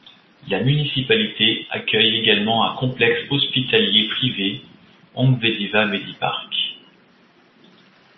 La municipalité accueille également un complexe hospitalier privé, Ongwediva Medipark.